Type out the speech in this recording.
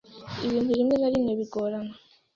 ibintu rimwe na rimwe bigorana